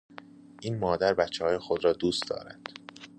این مادر بچههای خود را دوست دارد.